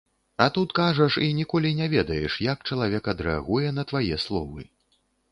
А тут кажаш і ніколі не ведаеш, як чалавек адрэагуе на твае словы.